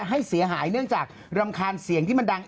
ให้เสียหายเนื่องจากรำคาญเสียงที่มันดัง